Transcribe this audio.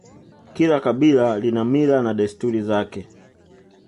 Kila kabila lina mila na desturi zake